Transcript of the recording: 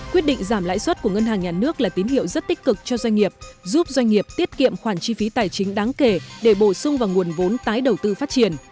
quyết định giảm lãi suất của ngân hàng nhà nước là tín hiệu rất tích cực cho doanh nghiệp giúp doanh nghiệp tiết kiệm khoản chi phí tài chính đáng kể để bổ sung vào nguồn vốn tái đầu tư phát triển